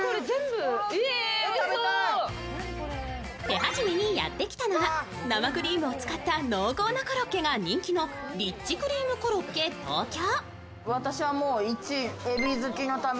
手始めにやってきたのは、生クリームを使った濃厚なコロッケが人気のリッチクリームコロッケ東京。